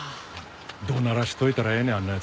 怒鳴らしといたらええねんあんな奴。